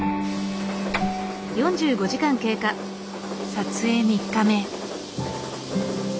撮影３日目。